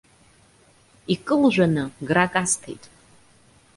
Икылжәаны грак асҭеит.